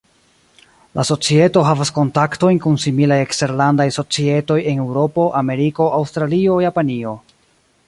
La societo havas kontaktojn kun similaj eksterlandaj societoj en Eŭropo, Ameriko, Aŭstralio, Japanio.